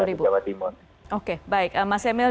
di jawa timur oke baik mas emil